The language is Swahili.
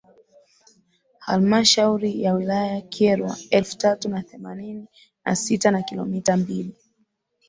Halmashauri ya Wilaya Kyerwa elfu tatu na themanini na sita na kilometa mbili